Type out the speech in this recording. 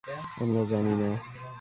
আমরা জানি না।